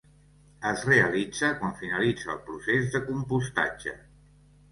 Es realitza quan finalitza el procés de compostatge.